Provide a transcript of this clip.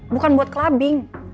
bukan buat clubbing